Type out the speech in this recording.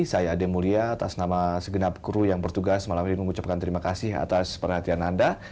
saya ade mulia atas nama segenap kru yang bertugas malam ini mengucapkan terima kasih atas perhatian anda